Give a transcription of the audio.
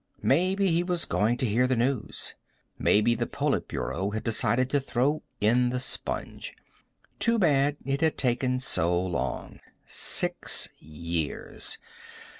Maybe he was going to hear the news. Maybe the Politburo had decided to throw in the sponge. Too bad it had taken so long. Six years.